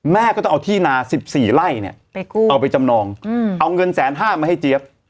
แม่ก็ต้องเอาที่นา๑๔ไร่เนี่ยเอาไปจำนองเอาเงินแสนห้ามาให้เจี๊ยบ